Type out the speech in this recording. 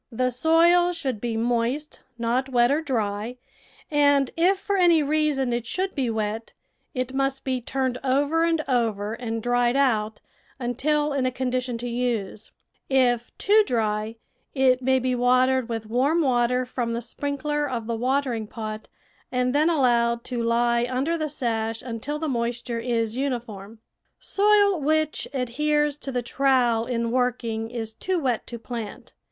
The soil should be moist, not wet or dry, and if for any reason it should be wet, it must be turned over and over and dried out until in a con dition to use; if too dry, it may be watered with warm water from the sprinkler of the watering pot and then allowed to lie under the sash until the moisture is uniform. Soil which adheres to the trowel in working is too wet to plant.